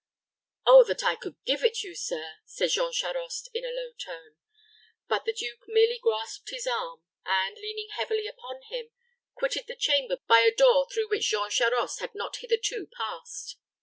"Oh, that I could give it you, sir!" said Jean Charost, in a low tone; but the duke merely grasped his arm, and, leaning heavily upon him, quitted the chamber by a door through which Jean Charost had not hitherto passed.